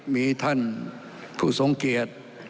มีท่านผู้ทรงเกียจ